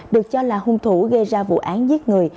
được cho là hung thủ gây ra vụ án giết người